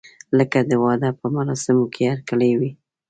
لکه د واده په مراسمو کې هرکلی وي.